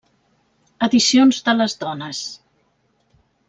Edicions de les dones.